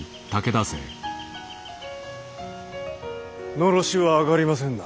のろしは上がりませんな。